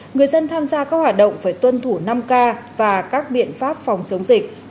người dân tham gia các hoạt động phải tuân thủ năm k và các biện pháp phòng chống dịch